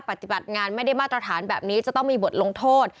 ปฏิบัติงานไม่ได้มาตรฐานแบบนี้จะต้องมีบทลงโทษ